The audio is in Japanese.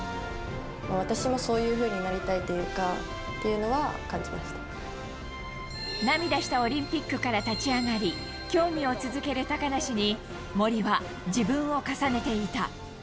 私もそういうふうになりたいとい涙したオリンピックから立ち上がり、競技を続ける高梨に、森は自分を重ねていた。